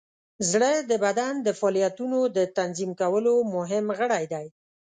زړه د بدن د فعالیتونو د تنظیم کولو مهم غړی دی.